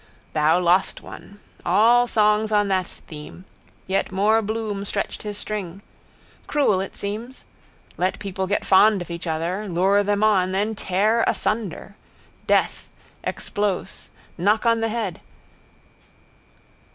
Thou lost one. All songs on that theme. Yet more Bloom stretched his string. Cruel it seems. Let people get fond of each other: lure them on. Then tear asunder. Death. Explos. Knock on the head.